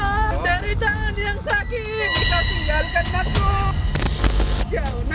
ada di pelawan kau sayang